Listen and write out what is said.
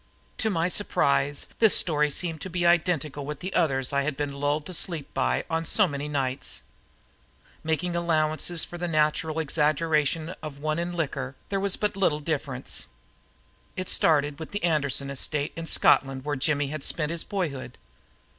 To my surprise this story seemed to be identical with the others I had been lulled to sleep by on so many nights. Making allowances for the natural exaggeration of one in liquor, there was but little difference. It started with the Anderson estate in Scotland where Jimmy had spent his boyhood.